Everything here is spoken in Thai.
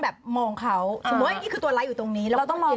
คุณพี่ต้องทำอย่างนี้หรือเอาเลย